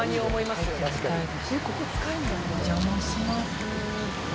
お邪魔します。